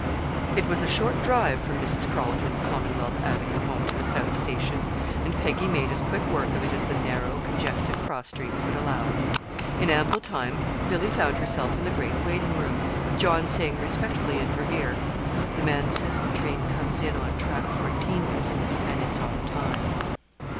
It was a short drive from Mrs. Carleton's Commonwealth Avenue home to the South Station, and Peggy made as quick work of it as the narrow, congested cross streets would allow. In ample time Billy found herself in the great waiting room, with John saying respectfully in her ear: "The man says the train comes in on Track Fourteen, Miss, an' it's on time."